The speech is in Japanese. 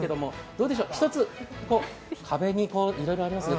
どうでしょう、ひとつ壁に、いろいろありますよ。